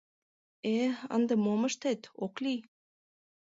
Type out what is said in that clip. — Э-э, ынде мом ыштет, ок лий.